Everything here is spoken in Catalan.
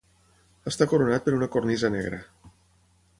Està coronat per una cornisa negra.